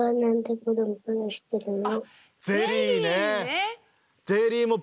ゼリーね。